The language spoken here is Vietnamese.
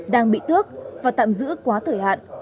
đang bị thước và tạm giữ quá thời hạn